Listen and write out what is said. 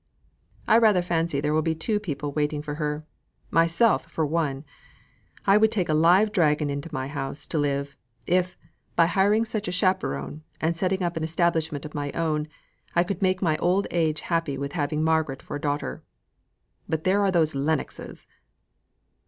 "I rather fancy there will be two people waiting for her: myself for one. I would take a live dragon into my house to live, if by hiring such a chaperon, and setting up an establishment of my own, I could make my old age happy with having Margaret for a daughter. But there are those Lennoxes!"